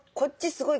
すごい。